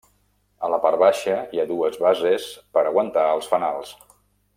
A la part baixa hi ha dues bases per a aguantar els fanals.